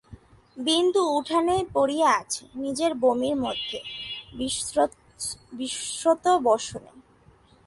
বিন্দু উঠানেই পড়িয়া আছে, নিজের বমির মধ্যে, বিস্রস্ত বসনে।